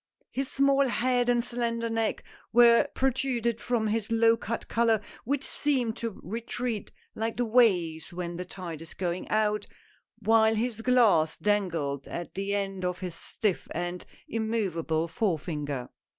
His small head and slender neck were protruded from his low cut collar, which seemed to retreat like the waves when the tide is going out — while his glass dangled at the end of his stiff and immovable forefinger.